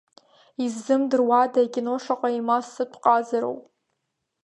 Иззымдыруада акино шаҟа имассатә ҟазароу.